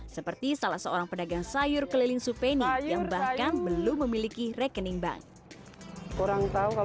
seperti salah seorang pedagang sayur keliling supeni yang bahkan belum memiliki rekening bank